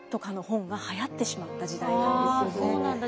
あそうなんだ。